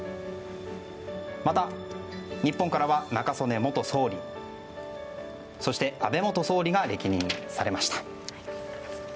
また、日本からは中曽根元総理そして安倍元総理が歴任されました。